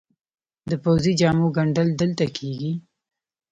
د پوځي جامو ګنډل دلته کیږي؟